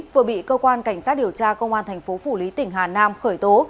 vừa bị cơ quan cảnh sát điều tra công an tp phủ lý tỉnh hà nam khởi tố